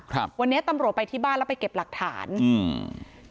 ครับวันนี้ตำรวจไปที่บ้านแล้วไปเก็บหลักฐานอืม